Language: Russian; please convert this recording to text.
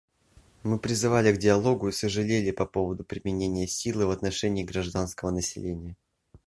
Мы призывали к диалогу и сожалели по поводу применения силы в отношении гражданского населения.